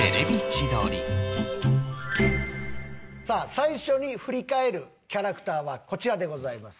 最初に振り返るキャラクターはこちらでございます。